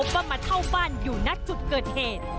ว่ามาเท่าบ้านอยู่นัดจุดเกิดเหตุ